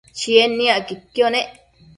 Chied niacquidquio nec